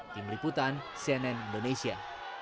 tim liputan cnn indonesia